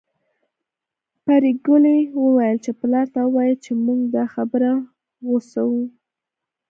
پري ګلې وويل چې پلار ته ووايه چې موږ دا خبره غوڅوو